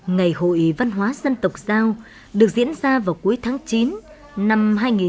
ngày hội văn hóa dân tộc giao được diễn ra vào cuối tháng chín năm hai nghìn một mươi chín